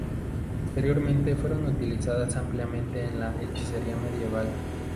Posteriormente fueron utilizadas ampliamente en la hechicería medieval.